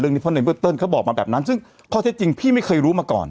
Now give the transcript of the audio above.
เรื่องพื้นมือเติลเค้าบอกมันแบบนั้นซึ่งพอที่จริงพี่ไม่เคยรู้มาก่อน